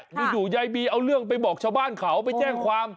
อยู่ยายบีเอาเรื่องไปบอกชาวบ้านเขาไปแจ้งความ